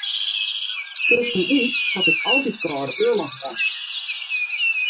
Tusken ús hat it altyd kâlde oarloch west.